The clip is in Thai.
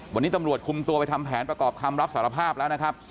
วันนี้ตำรวจคุมตัวไปทำแผนประกอบคำรับสารภาพแล้วนะครับ